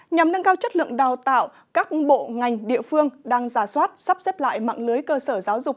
nhằm nâng cao chất lượng đào tạo các bộ ngành địa phương đang giả soát sắp xếp lại mạng lưới cơ sở giáo dục